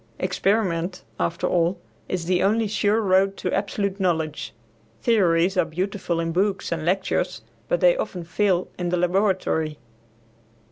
Experiment, after all, is the only sure road to absolute knowledge. Theories are beautiful in books and lectures, but they often fail in the laboratory.